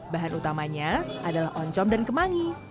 bahan utamanya adalah oncom dan kemangi